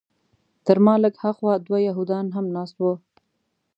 تر ما لږ هاخوا دوه یهودان هم ناست وو.